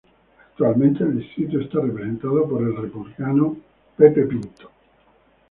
Actualmente el distrito está representado por el Republicano Scott Tipton.